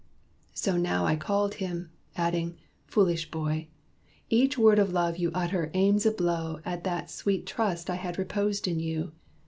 So now I called him, adding, "Foolish boy! Each word of love you utter aims a blow At that sweet trust I had reposed in you.